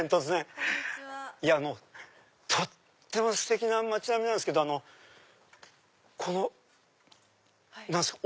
とってもステキな街並みなんですけどこの何すか？